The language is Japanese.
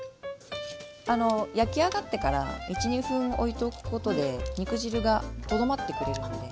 あの焼き上がってから１２分おいておくことで肉汁がとどまってくれるので。